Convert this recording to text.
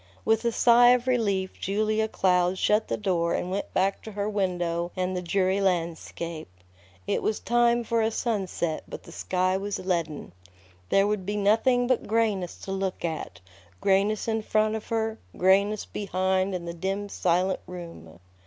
With a sigh of relief Julia Cloud shut the door and went back to her window and the dreary landscape. It was time for a sunset, but the sky was leaden. There Would be nothing but grayness to look at, grayness in front of her, grayness behind in the dim, silent room.